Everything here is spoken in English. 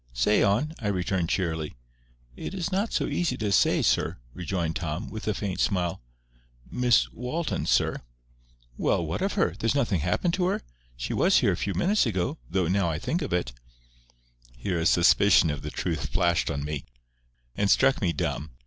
"Say on," I returned, cheerily. "It is not so easy to say, sir," rejoined Tom, with a faint smile. "Miss Walton, sir—" "Well, what of her? There's nothing happened to her? She was here a few minutes ago—though, now I think of it—" Here a suspicion of the truth flashed on me, and struck me dumb.